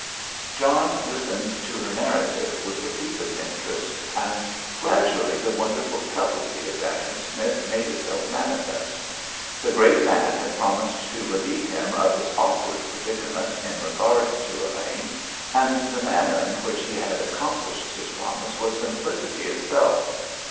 John listened to her narrative with the deepest interest, and gradually the wonderful subtlety of Dacent Smith made itself manifest. The great man had promised to relieve him of his awkward predicament in regard to Elaine, and the manner in which he had accomplished his promise was simplicity itself.